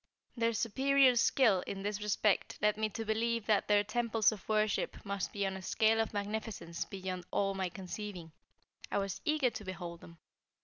Their superior skill in this respect, led me to believe that their temples of worship must be on a scale of magnificence beyond all my conceiving. I was eager to behold them.